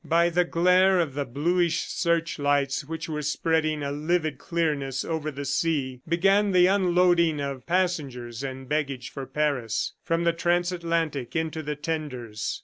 By the glare of the bluish searchlights which were spreading a livid clearness over the sea, began the unloading of passengers and baggage for Paris, from the transatlantic into the tenders.